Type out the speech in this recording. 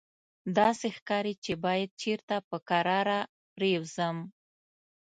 داسې ښکاري چې باید چېرته په کراره پرېوځم.